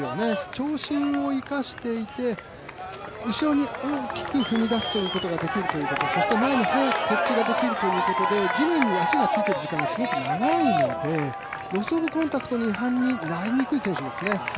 長身を生かしていて後ろに大きく踏み出すということができるということ、そして前に早く接地が出来るということで地面に足がついている時間がすごく長いのでロス・オブ・コンタクトになりにくい選手ですね。